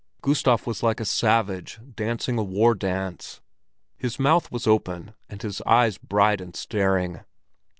Gustav was like a savage dancing a war dance. His mouth was open and his eyes bright and staring.